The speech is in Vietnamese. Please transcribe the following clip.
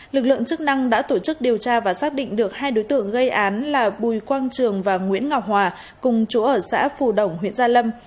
lực lượng chức năng đã tổ chức điều tra và xác định được hai đối tượng gây án là bùi quang trường và nguyễn ngọc hòa cùng chú ở xã phù đồng huyện gia lâm